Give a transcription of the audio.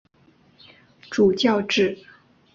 主教制。